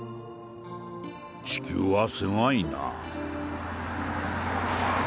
地球は狭いな。